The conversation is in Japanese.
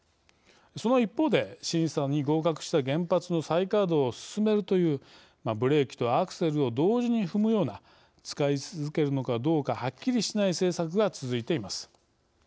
その一方で審査に合格した原発の再稼働を進めるというブレーキとアクセルを同時に踏むような使い続けるのかどうかはっきりしない政策が続いています。